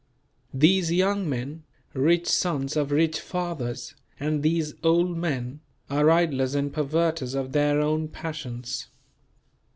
These young men, rich sons of rich fathers, and these old men, are idlers and perverters of their own passions.